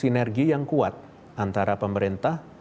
sinergi yang kuat antara pemerintah